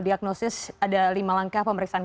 diagnosis ada lima langkah pemeriksaan